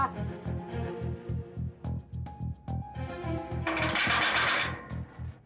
lo jangan lewat